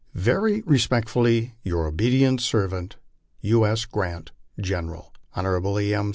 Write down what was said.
Very respectfully, your obedient servant, IT. S. GRANT, General. Flon.